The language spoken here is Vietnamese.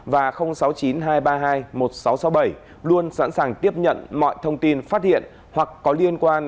và sáu mươi chín hai trăm ba mươi hai một nghìn sáu trăm sáu mươi bảy luôn sẵn sàng tiếp nhận mọi thông tin phát hiện hoặc có liên quan